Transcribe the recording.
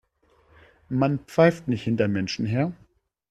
Man pfeift nicht hinter Menschen her.